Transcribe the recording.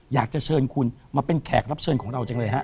อยากจะเชิญคุณมาเป็นแขกรับเชิญของเราจังเลยฮะ